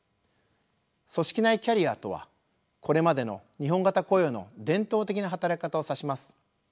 組織内キャリアとはこれまでの日本型雇用の伝統的な働き方を指します。